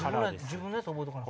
自分のやつ覚えとかな。